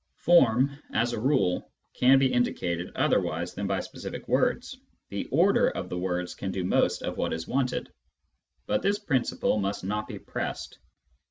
Form, as a rule, can be indicated otherwise than by specific words : the order of the words can do most of what is wanted. But this principle must not be pressed.